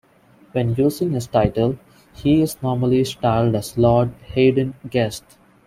When using his title, he is normally styled as Lord Haden-Guest.